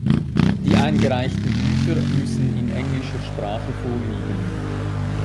Die eingereichten Bücher müssen in englischer Sprache vorliegen.